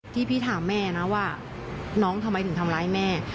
ที่พี่ถามแม่นะว่าน้องทำไมถึงทำร้ายแม่